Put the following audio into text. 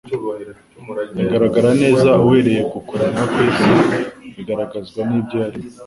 bigaragara neza uhereye ku kuremwa kw'isi bigaragazwa n'ibyo yaremye'-